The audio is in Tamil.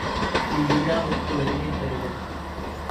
இவ்விழாவிற்கு வருகை தருக!